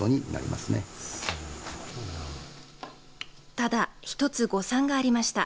ただ一つ誤算がありました。